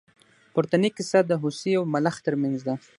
پورتنۍ کیسه د هوسۍ او ملخ تر منځ ده.